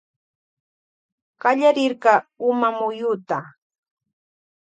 Kallarirka umamuyuta.